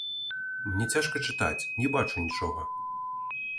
Мне цяжка чытаць, не бачу нічога.